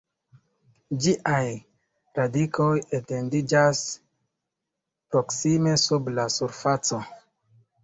Ĝiaj radikoj etendiĝas proksime sub la surfaco.